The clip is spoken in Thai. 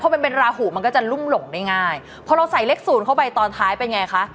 มันเป็นราหูมันก็จะลุ่มหลงได้ง่ายพอเราใส่เลขศูนย์เข้าไปตอนท้ายเป็นไงคะ